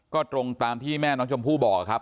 ก็ตรงตามที่แม่น้องชมพู่บอกครับ